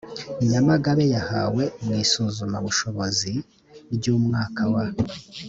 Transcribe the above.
nyamagabe yahawe mu isuzumabushobozi ry umwaka wa